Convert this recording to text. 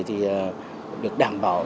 thì được đảm bảo